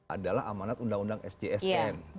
adalah amanat undang undang sjsn